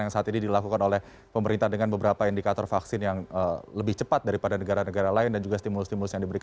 yang saat ini dilakukan oleh pemerintah dengan beberapa indikator vaksin yang lebih cepat daripada negara negara lain dan juga stimulus stimulus yang diberikan